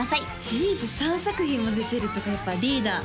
シリーズ３作品も出てるとかやっぱリーダー